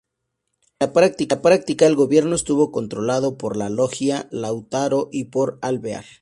En la práctica, el gobierno estuvo controlado por la Logia Lautaro y por Alvear.